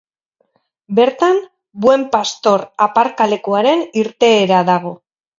Bertan, Buen Pastor aparkalekuaren irteera dago.